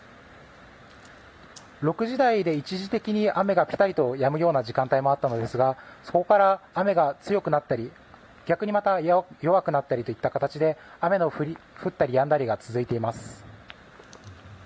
６時台で一時的に雨がぴたりとやむ時間帯もありましたがそこから雨が強くなったり逆に弱くなったりといった形で雨の降ったりやんだりが続いています。